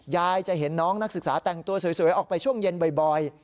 ยายจะเห็นน้องนักศึกษาแต่งตัวสวยออกไปช่วงเย็นบ่อย